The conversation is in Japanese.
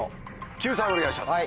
救済お願いします。